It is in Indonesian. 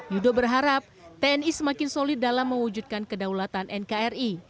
yudo berharap tni semakin solid dalam mewujudkan kedaulatan nkri